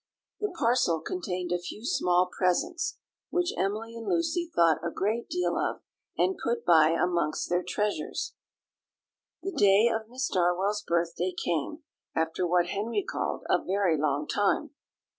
The parcel contained a few small presents, which Emily and Lucy thought a great deal of, and put by amongst their treasures. The day of Miss Darwell's birthday came, after what Henry called a very long time.